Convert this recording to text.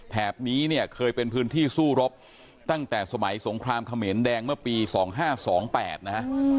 นี้เนี่ยเคยเป็นพื้นที่สู้รบตั้งแต่สมัยสงครามเขมรแดงเมื่อปี๒๕๒๘นะฮะ